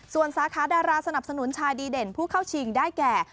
ส่วนสาขาดาราสนับสนุนชายดีเด่นผู้เข้าชิงได้แก่